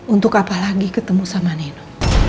untuk apa lagi ketemu sama neno